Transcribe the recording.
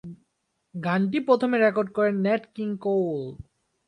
গানটি প্রথমে রেকর্ড করেন ন্যাট কিং কোল।